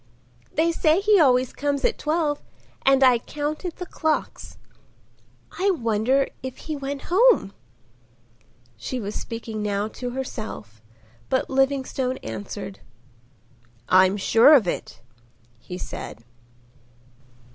They say he always comes at twelve and I counted the clocks.—I wonder if he went home?" She was speaking now to herself; but Livingstone answered. "I'm sure of it," he said.